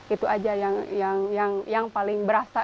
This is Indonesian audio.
itu aja yang paling berasa